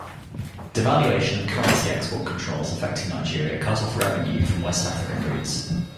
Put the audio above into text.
Devaluation and currency export controls affecting Nigeria cut off revenue from West African routes.